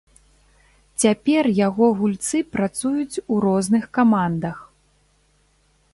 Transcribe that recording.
Цяпер яго гульцы працуюць у розных камандах.